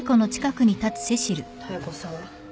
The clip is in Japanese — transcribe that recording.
妙子さん。